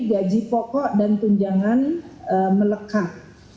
gaji pokok dan tunjangan melekat